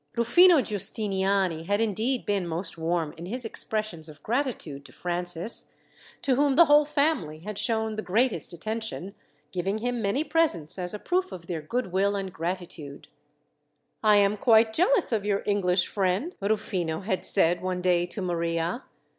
Rufino Giustiniani had indeed been most warm in his expressions of gratitude to Francis, to whom the whole family had shown the greatest attention, giving him many presents as a proof of their goodwill and gratitude. "I am quite jealous of your English friend," Rufino had said one day to Maria.